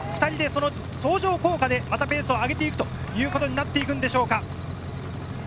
２人で相乗効果でペースを上げていくということになっていくんでしょうか？